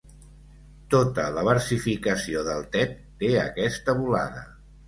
Tota la versificació d'Altet té aquesta volada.